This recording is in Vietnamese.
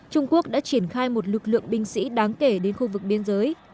trung quốc đã triển khai một lực lượng binh sĩ đáng kể đến khu vực biên giới